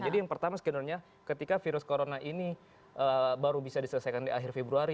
jadi yang pertama skenernya ketika virus corona ini baru bisa diselesaikan di akhir februari